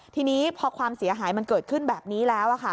ทีนี้พอความเสียหายมันเกิดขึ้นแบบนี้แล้ว